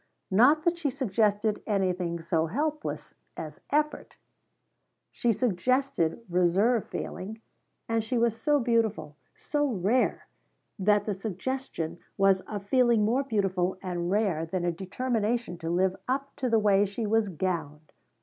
Not that she suggested anything so hopeless as effort. She suggested reserve feeling, and she was so beautiful so rare that the suggestion was of feeling more beautiful and rare than a determination to live up to the way she was gowned.